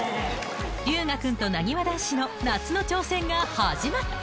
龍芽君となにわ男子の夏の挑戦が始まった！